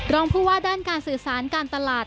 รองผู้ว่าด้านการสื่อสารการตลาด